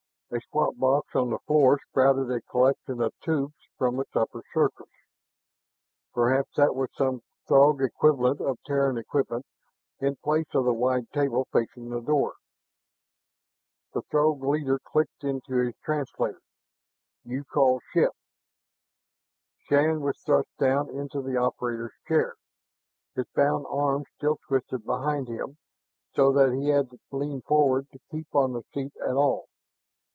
A squat box on the floor sprouted a collection of tubes from its upper surface. Perhaps that was some Throg equivalent of Terran equipment in place on the wide table facing the door. The Throg leader clicked into his translator: "You call ship!" Shann was thrust down into the operator's chair, his bound arms still twisted behind him so that he had to lean forward to keep on the seat at all.